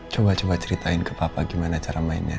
coba coba ceritain ke papa gimana cara mainnya